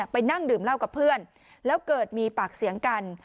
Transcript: นั่งดื่มเหล้ากับเพื่อนแล้วเกิดมีปากเสียงกัน